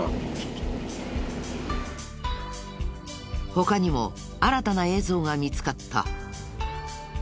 他にも新たな映像が見つかった。